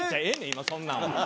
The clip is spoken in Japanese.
今そんなんは。